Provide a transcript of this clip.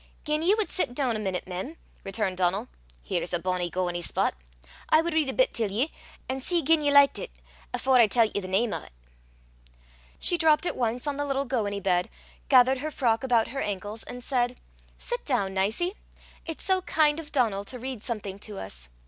"Gien ye wad sit doon a meenute, mem," returned Donal, " here's a bonnie gowany spot I wad read a bit till ye, an' see gien ye likit it, afore I tellt ye the name o' 't." She dropped at once on the little gowany bed, gathered her frock about her ankles, and said, "Sit down, Nicie. It's so kind of Donal to read something to us!